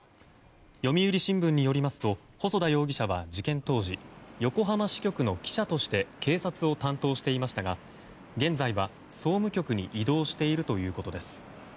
読売新聞によりますと細田容疑者は事件当時横浜支局の記者として警察を担当していましたが現在は総務局に異動しているということです。